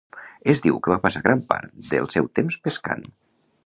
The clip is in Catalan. Es diu que va passar gran part del seu temps pescant.